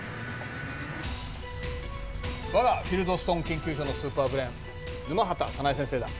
わがフィルドストン研究所のスーパーブレーン沼畑早苗先生だ。